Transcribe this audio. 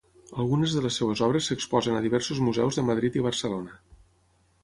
Algunes de les seves obres s'exposen a diversos museus de Madrid i Barcelona.